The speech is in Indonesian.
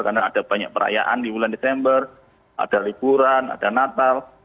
karena ada banyak perayaan di bulan desember ada liburan ada natal